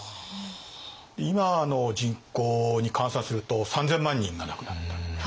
今の人口に換算すると３，０００万人が亡くなった。